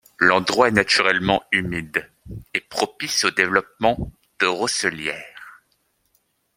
L’endroit est naturellement humide et propice au développement de roselières.